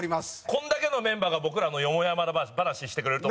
これだけのメンバーが僕らのよもやまばな話してくれるとは。